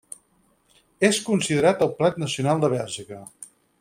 És considerat el plat nacional de Bèlgica.